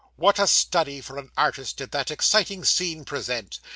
What a study for an artist did that exciting scene present!